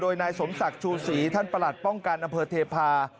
โดยนายสมศักดิ์ชูศรีท่านประหลัดป้องกันอำเภอเทพา